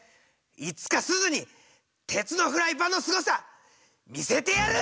いつかすずに鉄のフライパンのすごさ見せてやる！